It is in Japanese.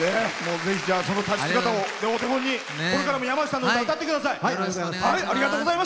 ぜひ、立ち姿をお手本にこれからも山内さんの歌を歌ってください。